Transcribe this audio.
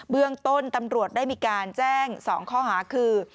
เบื้องต้นตำรวจได้มีการแจ้ง๒ข้อหาคือ